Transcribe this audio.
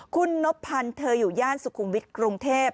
คุณนบพันธ์เธออยู่ย่านสุขุมวิทย์กรุงเทพ